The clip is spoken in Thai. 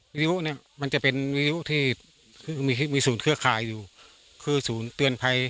วิทยุเนี่ยมันจะเป็นวิวที่คือมีศูนย์เครือข่ายอยู่คือศูนย์เตือนภัย